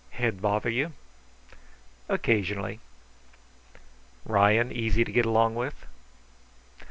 Head bother you?" "Occasionally." "Ryan easy to get along with?"